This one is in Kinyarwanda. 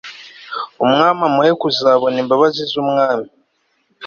Umwami amuhe kuzabona imbabazi z Umwami